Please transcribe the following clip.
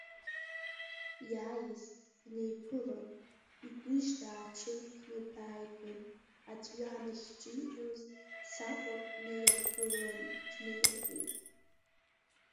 Иааиз днеиԥылан, игәыжь дааҽыжәхны дааиган, аҵәҩан ахьҿиҟьоз саҟәак наиргылан днаиртәеит.